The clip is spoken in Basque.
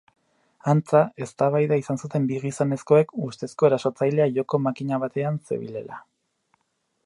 Antza, eztabaida izan zuten bi gizonezkoek, ustezko erasotzailea joko-makina batean zebilela.